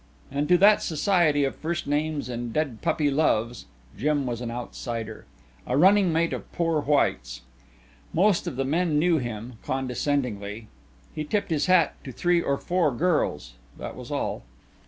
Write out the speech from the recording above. And to that society of first names and dead puppy loves Jim was an outsider a running mate of poor whites. Most of the men knew him, condescendingly; he tipped his hat to three or four girls. That was all.